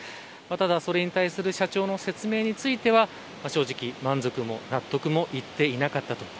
ただ、それに対する社長の説明については正直、満足も納得もいっていなかったと。